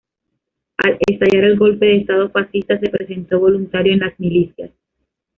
Al estallar el golpe de estado fascista se presentó voluntario en las milicias.